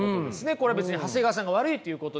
これは別に長谷川さんが悪いということではなくて。